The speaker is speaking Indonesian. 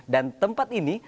dan tempat ini